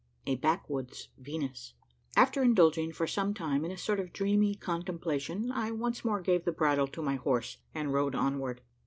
A BACKWOODS VENUS. After indulging for some time in a sort of dreamy contemplation I once more gave the bridle to my horse, and rode onward.